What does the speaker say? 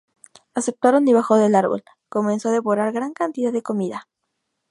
Aceptaron y bajó del árbol, comenzó a devorar gran cantidad de comida.